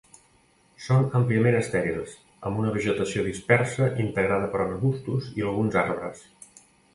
Són àmpliament estèrils, amb una vegetació dispersa integrada per arbustos i alguns arbres.